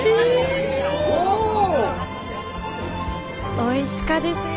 おいしかですよ。